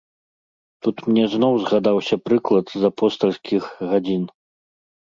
Тут мне зноў згадаўся прыклад з апостальскіх гадзін.